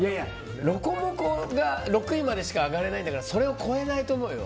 ロコモコが６位までしか上がれないんだからそれを超えないと思うよ。